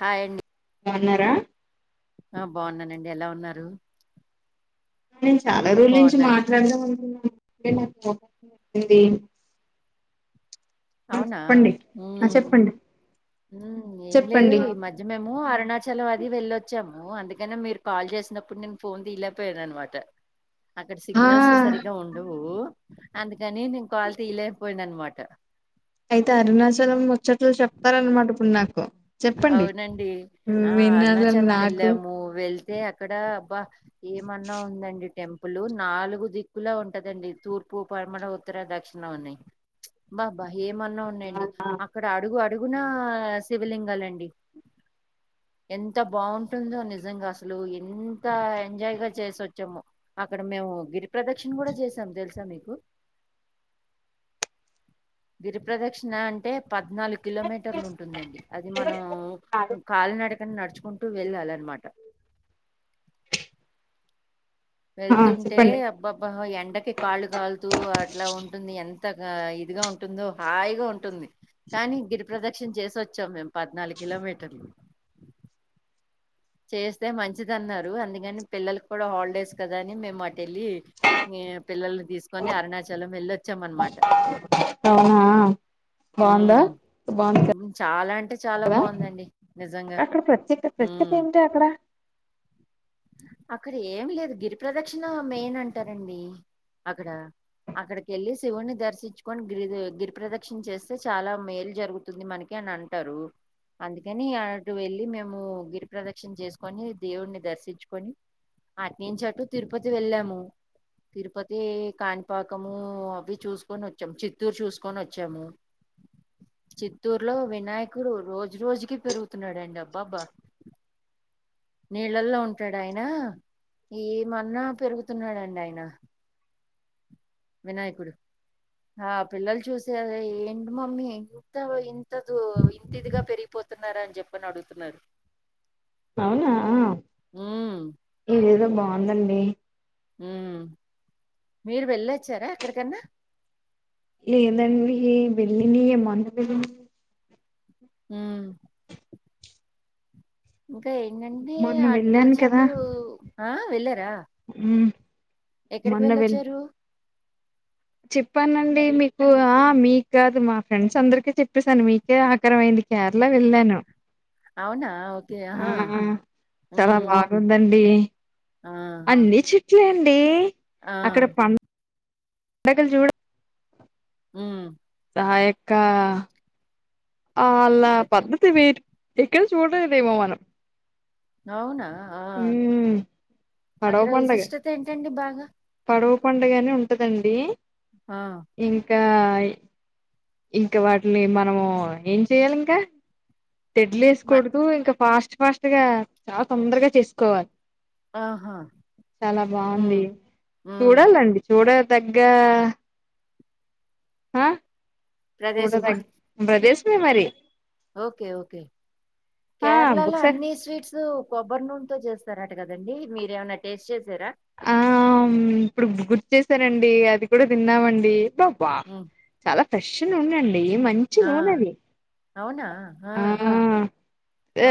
Hi అండి గా ఉన్నారా ఆ బాగున్నానండి ఎలా ఉన్నారు నేను చాలా రోజుల నుంచి బాగున్నాను మాట్లాడదాం అనుకున్నాను [inaudible] ఉంది అవునా ఆ చెప్పండి ఊ ఏం లేదు చెప్పండి ఈ మధ్య మేము అరుణాచలం అది వెళ్ళొచ్చ డమూ అందుకనే మీరు కాల్ చేసినప్పుడు నేను ఫోన్ తీయలేకపోయాను అనమాట అక్కడ ఆ సిగ్నల్స్ సరిగా ఉండవూ అందుకనీ నేన్ కాల్ తీయ్లేకపోయాను అనమాట అయితే అరుణాచలం ముచ్చట్లు చెప్తారన్నమాట ఇప్పుడు నాకు చెప్పండి అవునండి ఆ వినాలని అరుణాచలం నాకు వెళ్ళాము వెళ్ తే అక్కడా అబ్బ ఏమన్న ఉందా అఔడి టెం పులు నాలుగు దిక్కులా ఉంటదండి తూర్పు పరమడ ఉత్తర దక్షిణం అని బా బా ఏమన్నా ఉన్నాయండి అక్కడ అడుగు అడుగునా శివలింగాలే అండి ఎంత బాగుంటుందో నిజంగా అసలు ఎంతా ఎంజాయ్ గా చేసొచ్చామొ అక్కడ మేమ్. ఓ గిరి ప్ర్రదక్షిణ గూడా జేసాం దెలుసా మీకు గిరి ప్ర్రదక్షిణ అంటే పద్నాలు కిలోమీటర్లు ఉంటుందండి అ ది మనం కాలి నడ కాన్ నడుచుకుంటూ వెళ్ళాలన్మాట ఆ వెళ్తుంటే చెప్పండి అబ్బాబ్బా ఎండకి కాళ్ళు కాలుతూ అట్లా ఉంటుంది ఎం తగా ఇదిగా ఉంటుందో హాయిగా ఉంటుంది కానీ గిరి ప్ర్రదక్షిణ చేసి వచ్చాం మేము పద్నాలుగు కిలోమీటర్లు చేస్తే మంచిది అన్నారు అందుకని పిల్లలకి కూడా హాలిడేస్ కదా అని మేము వెళ్ళి పిల్లల్ని తీసుకొని అరుణాచలం వెళ్ళొచ్చాం అనమాట అవునా బాగుందా ఉమ్, బాగు చాలా అంటే చాలా కదా బాగుందండి నిజంగా అక్కడ ప్రత్యేక ప్రత్యక ఉమ్. ఏంటి టి అక్కడ అక్కడ ఏం లేదు గిరిప్రదక్షిణ మెయిన్ అంటారండి అక్కడ అక్కడికి వెళ్ళి శివుణ్ణి దర్శించుకొని గిరి గిరిప్రదక్షిణ చేస్తే చాలా మేలు జరుగుతుంది మనకి అని అంటారు అందుకని అటు వెళ్ళి మేము గిరిప్రదర్ దక్షన్ చేసుకొని దేవుణ్ణి దర్శించుకొని అటి నుంచిట్టు తిరుపతి వెళ్ళాము తిరుపతి, కాణిపాకము అవి చూసుకొని వచ్చాము చిత్తూరు చూసుకొని వచ్చాము చిత్తూరులో వినాయకుడు రోజు రోజుకి పెరుగుతున్నాడండి అబ్బాబ్బా నీళ్ళల్లో ఉంటాడు ఆయన ఏమన్నా పెరుగుతున్నాడండి ఆయన వినాయకుడు ఆ పిల్లలు చూసేద ఏంటి మమ్మీ ఇంత ఇంతిదిగా పెరిగిపో పోతున్నారా అని చెప్పని అడుగుతున్నారు అవునా ఉమ్ ఇదేదో బాగుందండి ఉ మీరు వెళ్ళొచ్చారా ఎక్కడికన్నా లేదండి వెళ్ళిన ఏమనలేదు ఊ ఇంకా ఏంటంటే మొన్న అటు వెళ్ళాను నుంచి అటు ఆ వెళ్ళారా ఉ ఎక్కడికి వెళ్ళొచ్చారు చెప్పానండి మీకు ఆ మీకు కాదు మా ఫ్రెండ్స్ అందరిక చెప్పసాను మీకే ఆకారమయింది కేరళ వెళ్ళను అవునా ఓకే ఆ ఆహా చాలా హ్మ్. బాగుందండి ఆ చండి ఆ నాకల్ చూడక్ ఊ హాయక్క ఆ అలా పద్ధతి వేరు ఎక్కడ చూడలేదేమో మనం అవునా ఆ మ్ పడవ అక్కడ విశిష్టత ఏంటండి బాగా పండుగని ఉంటదండి హా గాయ్ ఇంకా వాటిని మనము ఏం చెయాలి ఇంకా టెడ్లు వేసి మ కొడుదు ఇంకా ఫాస్ట్ ఫాస్ట్ గా చాలా తొందరగా చేసుకోవాలి ఆహా! చాలా హ్మ్. బాగుంది హ్మ్. చూడాలండి చూడ దగ్గ ఆ చూడ ప్రదేశమా? బ్రదేశమే మరి ఓకే ఓకే ఆ కేరళలో ఒకసారి అన్ని స్వీట్సు కొబ్బరి నూనెతో చేస్తారా రంట కదండి మీరు ఏమైనా టేస్ట్ చేసారా ఆ ఇప్పుడు గుర్తు చేసారండి అది కూడా తిన్నామండి బ్బాబ్బా హ్మ్. చాలా ఫ్రెష్ నూనండి మంచి ఆ! నూనెది అవునా ఆ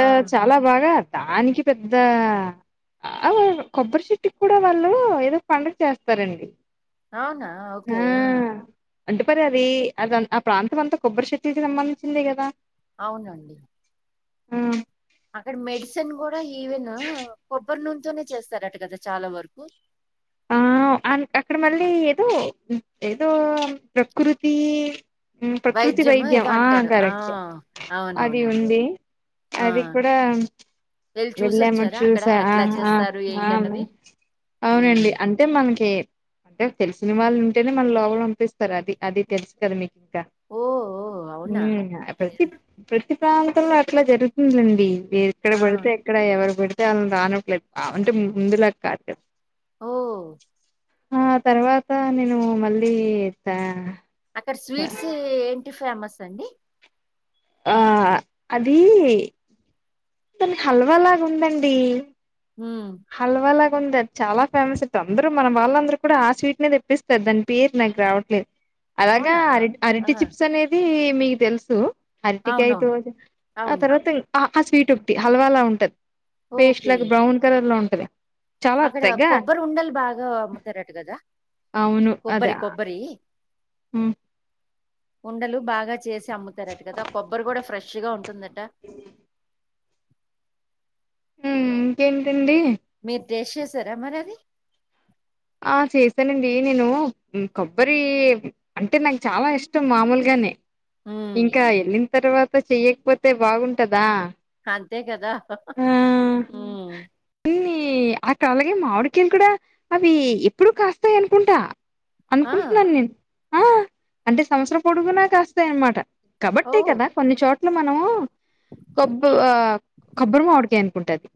ఆ చాలా బాగా దానికి పెద్ద ఆ వాల్ కొబ్బరి చెట్టికి కూడా వాళ్ళు ఏదో పండుగ చేస్తారండి అవునా ఓకే ఆ అంటే పరి అది అద ఆ ప్రాంతం అంతా కొబ్బరి చెట్లకి సంబంధించిందే కదా అవునండి ఉం అక్కడ మెడిసిన్ కూడా ఈవెను కొబ్బరి నూన్ తోనే చేస్తారట కదా చాలా వరకు ఆ అ అక్కడ మళ్ళీ ఏదో ఏదో ప్రకృతి ఉం ప్రకృతి వైద్యమో వైద్యం ఏదో ఆ అంటారు. ఆ! కరెక్టే అది అవునవునండి. ఉంది ఆ! అది కూడా వెళ్ళి వెళ్ళాము చూసొచ్చారా అక్కడ చూసా ఆ ఎట్లా అ చేస్తారు ఆ ఏంటన్నది ఉమ్ అవునండి అంటే మనకి అంటే తెలిసిన వాళ్ళు ఉంటేనే మన లోపల పంపిస్తారు అది అది తెలుసు కదా మీకు ఇకా ఓ ఓ అవునా ఉం ఓకే ప్రతి ప్ర ప్రతి ప్రాంతంలో అట్లే జరుగుతుందండి ఎక్కడ ఆ పడితే ఎక్కడ ఎవరు పడితే అంతే ఆలని రానివట్లేదు అంటే ముందులా కాదు కద ఓ ఆ తర్వాత నేను మళ్ళీ తే అక్కడ స్వీట్స్ ఏంటి ఫేమస్ అండి ఆ అది తనికి హల్వాలాగా ఉందండి ఉమ్ హల్వాలాగ్ కొంది అది చాలా ఫేమస్ అ అందరు మన వాళ్ళ అందరు కూడా ఆ స్వీట్నే తెప్పిస్తారు దాని పేరు నాకు రావట్లేదు అలాగా అవునా అరటి ఆ అరటి చిప్స్ అనేది మీకు తెలుసు అవునవును అరిటికాయతోటి ఆ అవును తర్వాత ఆ స్వీట్ ఒకటి హల్వాల ఉంటది పేస్ట్ ఓకే లాగా బ్రౌన్ కలర్ లో ఉంటది చాలా అక్కడ తెగ కొబ్బరు ఉండలు బాగా అమ్ముతారట కదా కొబ్బరి కొబ్బరి ఉం ఉండలు బాగా చేసి అమ్ముతారట కదా కొబ్బరి కూడా ఫ్రెష్ గా ఉంటు ఉంటుందట ఉం ఇంకేంటండి మీరు టేస్ట్ చేసారా మరి అది ఆ చేశానండి నేను కొబ్బరి అంటే నాకు చాలా ఇష్టం మామూలుగానే ఉమ్ ఇంకా వెళ్ళిన తర్వాత చెయ్యకపోతే బాగుంటదా అంతే కదా అన్ని ఉం అక్కడ అలాగే మామిడికాయలు కూడా అవి ఎప్పుడు కాస్తాయి అనుకుంటా ఆ అనుకుంటున్నాను నేను ఆ అంటే సంవత్సరం పొడుగునా కాస్తాయ అనమాట కాబట్టే ఓ కదా కొన్ని చోట్ల మనము కొబ్బు ఆ కొబ్బరి మావిడికేయ అనుకుంటఅది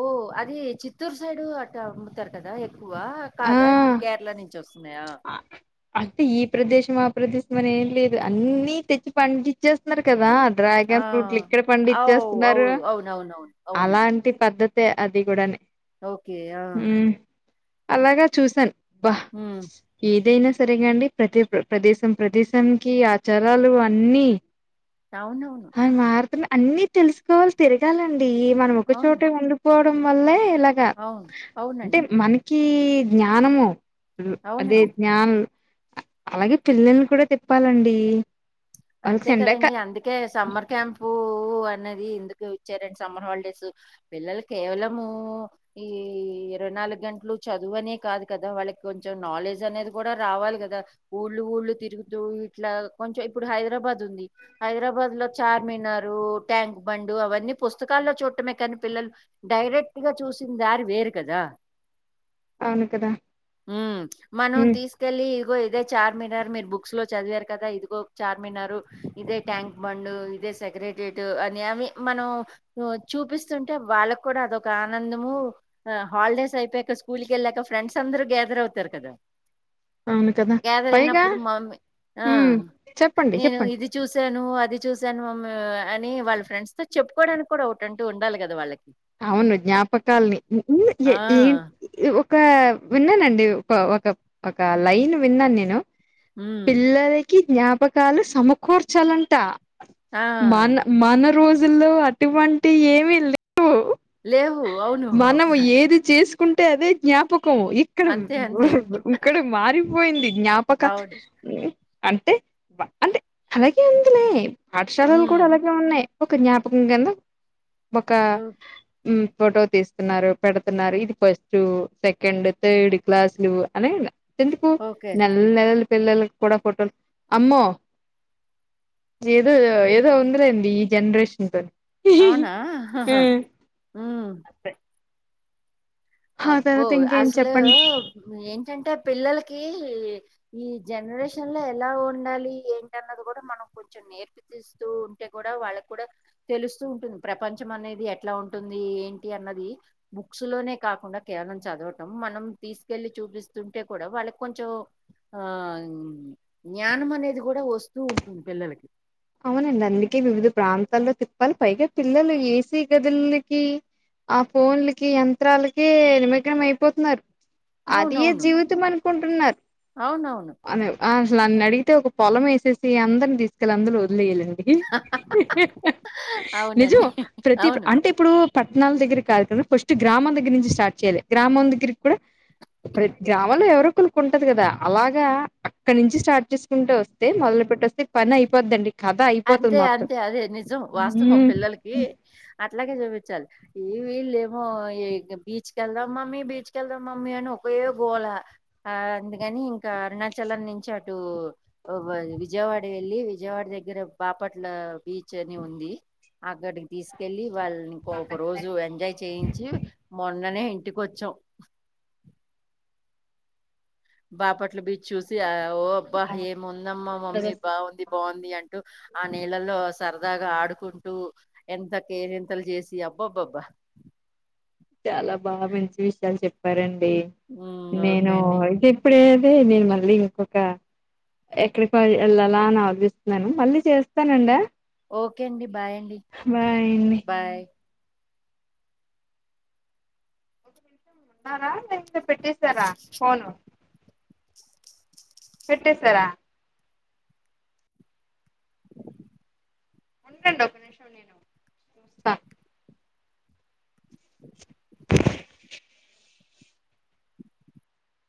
ఓ అదీ చిత్తూరు సైడూ అట్ట్ అమ్ము తారు కదా ఎగ్ క్కువా కాదా ఆ ఇప్పుడు కేరళా నుంచి వస్త్ ఆ అంటే ఈ ప్రదేశం ఆ ప్రదేశమని ఏం లేదు అన్నీ తెచ్చి పండిచ్చేస్తున్నారు కదా. ఆ డ్రాగన్ ఫ్రూట్లు ఇక్కడ అవు అవు పండిచ్చేస్తున్నారు అవునవునవును అవునండి అలాంటి పద్ధత్. తే అది గూడానే ఓకే ఆ అలాగా చూశాను భా ఉమ్ ఏదైనా సరేగాండి. ప్రతీ ప్రదేశం ప్రదేశానికి ఆచారాలు అన్నీ. అవునవును అయి మారుతున్నాయ్ అన్నీ తెలుసుకోవాలి తిరగాలం డీ మనం ఒక అవును చోటే ఉండిపోవడం వల్లే ఇలాగా. అవును అంటే అవునండి మనక్ కీ జ్ఞానమూ అదే అవునండి జ్ఞానులు. అలాగే పిల్లల్ని కూడా తిప్పాలండీ. అంతే కదండి అందుకే సమ్మర్ క్యాంపూ అన్నదీ ఇందుకే ఇచ్చారండి సమ్మర్ హాలిడేసు పిల్లలు కేవలమూ ఈ ఇరవై నాలుగు గంట్లు చద్ దువనే కాదు కదా వాళ్ళకి కొంచెం నాలెడ్జ్ అనేది కూడా రావాలి కదా ఊళ్ళు ఊళ్ళు తిరుగుతూ ఇట్ల. ట్లా కొంచెం ఇప్ ఇప్పుడు హైదరాబాద్ ఉంది హైదరాబాద్ లో చార్మినారూ, ట్యాంక్ బండు అవన్నీ పుస్తకాల్లో చూడ్ ట్టమే కానీ పిల్లలు డైరెక్ట్‌గా చూశిన్ దారి వేరు కదా. అవును కదా హ్మ్ మనం ఉమ్ తీసుకెళ్లీ ఇదిగో ఇదే చార్ మినార్ మీరు బుక్స్‌లో చదివారు కదా ఇదిగో. చార్మినారు, ఇదే ట్యాంక్ బండూ, ఇదే సెక్రేటియేటూ అని అవి మనం వచ్చ్ చూపిస్తుంటే వాళ్ళక్కూడా అదొక ఆనందమూ ఆ హాలిడేస్ అయిపోయాక స్కూల్‌కి ఎళ్ళాక ఫ్రెండ్స్ అంద రు గ్యాదర్ అవుతారు కదా అవును కదా గ్యాదర్ పైగా అయినప్పుడు మమ్మీ ఆ ఉమ్ చెప్పండి నేనూ చెప్పండి ఇది చూశానూ అది చూశా ను అనీ వాళ్ళ ఫ్రెండ్స్ తో చెప్పుకోడానికి కూడా ఒకటంటూ ఉండాలి గదా వాళ్ళక్ అవును జ్ఞాపకాల్ని ఆ! [unintelligible] ఒకా విన్నానండి ఒక ఒక ఒకా లైన్ విన్నాను నేను హ్మ్. పిల్లలక్ కీ జ్ఞాపకాలు సమకూర్చాలంటా ఆ! మన మన రోజ్ జుల్లో అటువంటియి ఏమీ లేవు లేవు. అవును. మనం ఏది చేస్ కుంటే అదే జ్ఞాపక్ కం ఇక్కడ అంతే. అంతే. ఇక్కడ మారిపోయింది జ్ఞాపక అవును. అంటే అంటే అలాగే ఉందిలే పాఠశాలలు కూడా హ్మ్. అలాగే ఉన్నాయి. ఒక జ్ఞాపకం కిందా ఒకా ఓ హ్మ్ ఫోటో తీస్తున్నారు పెడుతున్నారు ఇది ఫస్టూ సెకండు థార్డ్ క్లాసులు అనే ఎందుకూ ఓకే. నెలల్ నెలల్ పిల్లలక్ కూడా ఫోటోలు అమ్మో. ఏదో ఏదో ఉందిలేండి ఈ జనరేషన్ తోని అవునా హ్మ్ ఆ అబ్బో తర్వాత ఇంకేం అసలూ చెప్పండి ఏంటంటే పిల్లలకీ. కీ ఈ జనరేషన్ లో ఎలా ఉండాలీ ఏంటన్నది గూడా మనం కొంచెం నేర్పితీస్తు తూ ఉంటే కూడా వాళ్ళకి కూడా తెలుస్తూ ఉంటుంది ప్రపంచం అనేది ఎట్లా ఉంటుందీ ఏంటి అన్నదీ. బుక్సులోనే కాకుండా కేవలం చదవటం మనం తీసుకెళ్ళి చూపిస్తుంటే కూడా వాళ్ళకి కొంచెం ఆ ఊ జ్ఞానం అనేది గూడా వస్తూ ఉంటుంది పిల్లలకి. అవునండి అందుకే వివిధ ప్రాంతాల్లో తిప్పాలి, పైగా పిల్లలు ఏసీ గదులకి ఆ ఫోన్లకి యంత్రాలకే నిమగ్నం అయిపోతున్నారు. అది ఏ అవునవును. జీవితం అనుకుంటున్నారు, అవునవును. అని ఆ నన్ని అడిగితే ఒక పొలం ఏసేసి అందరిని తీసుకెళ్లి అందులో వ లేలండి, అవునండి. నిజం ప్రతి అవును. అంటే ఇప్పుడు పట్నాలా దగ్గర కాదు కదా, ఫస్ట్ గ్రామం దగ్గర నుంచి స్టార్ట్ చేయాలి, గ్రామం దగ్గరికి కూడా ప్రతి గ్రామంలో ఎవరో ఒకళ్ళకుంటది కదా, అలాగా అక్కడి నుంచి స్టార్ట్ చేసుకుంటూ వస్తే మల్ పెట్టొస్తే పనయిపోద్దండి. అంతే అంతే అదే నిజం వాస్తవం, మ్మ్ పిల్లలకి అట్లాగే చూపించాలి ఈ వీల్ ళ్ళేమో ఇంగ బీచ్ కేళ్దాం మమ్మీ, బీచ్ కేళ్దాం మమ్మీ అని ఒకే గోలా. ఆ అందుకని ఇంకా అరుణాచలం నుంచి అటు విజయవాడ వెళ్ళి, విజయవాడ దగ్గర బాపట్ల బీచ్ అని ఉంది, అక్కడికి తీసుకెళ్లి వాళ్ళని ఇం ఒక రోజు ఎంజాయ్ చేయించి మొన్ననే టికొచ్చం బాపట్ల బీచ్ చూసి ఆ ఓ అబ్బా ఏముందమ్మా మమ్మీ, బాగుంది బాగుం ది అంటూ ఆ నీలల్లో సరదాగా ఆడుకుంటూ, ఎంత కేరెంతలు చేసి అబ్బబ్ బ్బబ్బా చాలా బాగా మంచి విషయాలు చెప్పారండి, ఉమ్, నేను ఓకే అండి అయితే ఇప్పుడే తే నేను మళ్ళీ ఇంకొక ఎక్కడికి ఎల్ ఎళ్ళాలా అని ఆలోచిస్తున్నాను, మళ్ళీ చేస్తానండి. ఓకే అండి, బాయ్ అండి, బాయ్ అండి బాయ్. ఉన్నారా లేకపోతే పెట్టేస్తారా ఫోను. పెట్టేసారా? ఉండండి ఒక నిమిషం నేను